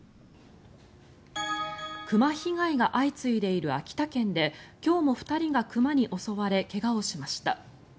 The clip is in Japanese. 熊被害が相次いでいる秋田県で今日も２人が熊に襲われ怪我をしました。